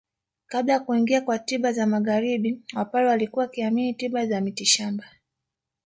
Kabla ya kuingia kwa tiba za magharibi wapare walikuwa wakiamini tiba za mitishamba